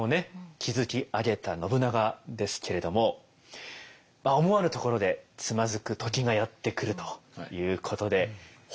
築き上げた信長ですけれども思わぬところでつまずく時がやって来るということで。